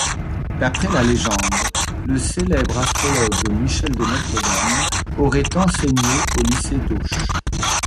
D'après la légende, le célèbre astrologue Michel de Nostredame aurait enseigné au lycée d'Auch.